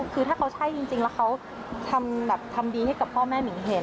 คือถ้าเขาใช่จริงแล้วเขาทำดีให้กับพ่อแม่หมิ่งเห็น